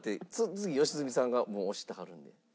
次良純さんがもう押してはるので。